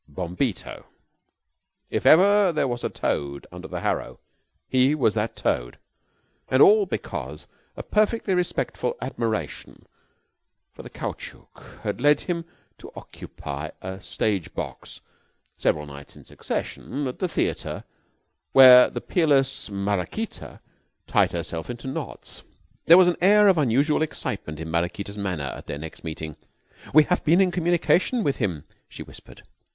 Bombito. If ever there was a toad under the harrow, he was that toad. And all because a perfectly respectful admiration for the caoutchouc had led him to occupy a stage box several nights in succession at the theater where the peerless Maraquita tied herself into knots. There was an air of unusual excitement in Maraquita's manner at their next meeting. "We have been in communication with Him," she whispered.